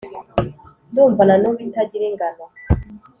ndumva na n'ubu itagira ingano,